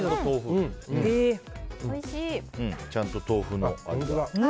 ちゃんと豆腐の味が。